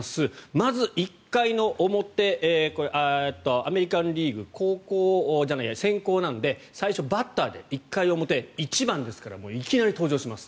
まず１回の表これ、アメリカン・リーグ先攻なので最初、バッターで１回表、１番ですからいきなり登場します。